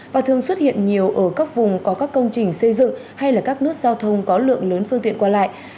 và thường xuất hiện nhiều ở các vùng có các công trình xây dựng hay là các nút giao thông có lượng lớn phương tiện qua lại